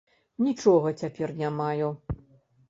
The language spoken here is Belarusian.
Нічога цяпер не маю.